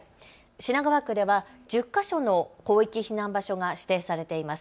品川区では１０か所の広域避難場所が指定されています。